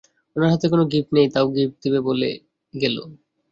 ওনার হাতে কোনো গিফট নেই তাও গিফট দিবে বলে গেল।